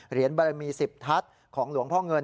เหรียญบรมีสิบทัศน์ของหลวงพ่อเงิน